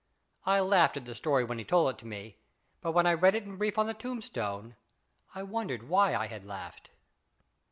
I laughed at the story when he told it to me, but when I read it in brief on the tombstone I wondered why I had laughed.